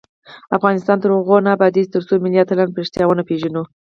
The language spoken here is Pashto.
افغانستان تر هغو نه ابادیږي، ترڅو ملي اتلان په ریښتیا ونه پیژنو.